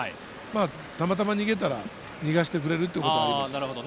たまたま逃げたら逃がしてくれるということはあります。